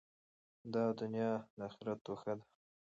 دا دؤنیا د آخرت توښه ده.